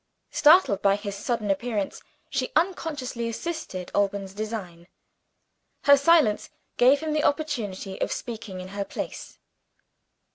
Startled by his sudden appearance, she unconsciously assisted Alban's design. Her silence gave him the opportunity of speaking in her place.